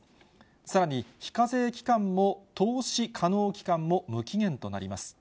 さらに非課税期間も投資可能期間も無期限となります。